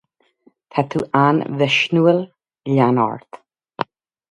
Tá tú an-mhisniúil, lean ort.